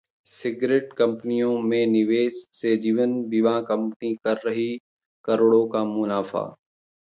cigarette कंपनियों में निवेश से जीवन बीमा कंपनियां कर रहीं करोड़ों का मुनाफा